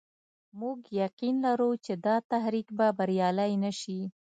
موږ يقين لرو چې دا تحریک به بریالی نه شي.